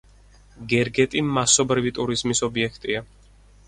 გერგეტი მასობრივი ტურიზმის ობიექტია.